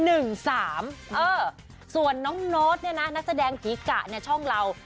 เออส่วนน้องโน๊ตเนี่ยนะนักแสดงผีกะเนี่ยช่องเรา